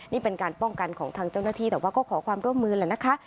นี่เป็นการป้องกันของทางเจ้าหน้าที่แต่ว่าก็ขอความร่วมมือแหละนะคะ